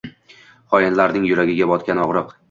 Xoinlarning yuragiga botgan ogʼriq